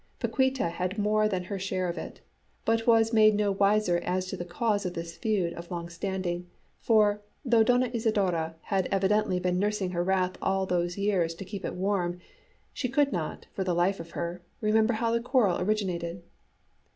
Paquíta had more than her share of it, but was made no wiser as to the cause of this feud of long standing; for, though Doña Isidora had evidently been nursing her wrath all those years to keep it warm, she could not, for the life of her, remember how the quarrel originated.